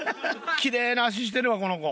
きれいな足してるわこの娘。